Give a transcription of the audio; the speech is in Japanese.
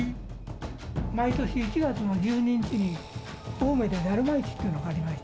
毎年１月の１２日に、青梅でだるま市というのがありまして。